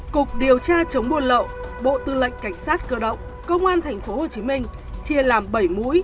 cục điều tra chống buôn lậu bộ tư lệnh cảnh sát cơ động công an tp hcm chia làm bảy mũi